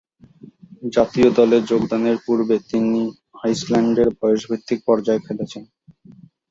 জাতীয় দলে যোগদানের পূর্বে, তিনি আইসল্যান্ডের বয়সভিত্তিক পর্যায়ে খেলেছেন।